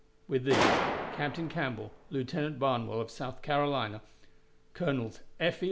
With these. Captain Campbell, Lieutenant Barnwell, of South Carolina, Colonels F.